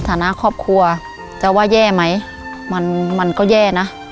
ฐานะครอบครัวจะว่าแย่ไหมมันมันก็แย่นะ